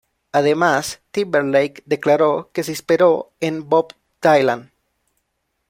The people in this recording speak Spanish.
Además, Timberlake declaró que se inspiró en Bob Dylan.